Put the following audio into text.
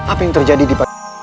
apa yang terjadi di